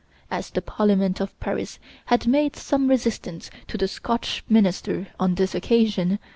As the Parliament of Paris had made some resistance to the Scotch minister on this occasion, M.